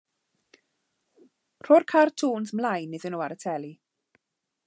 Rho'r cartŵns mlaen iddyn nhw ar y teli.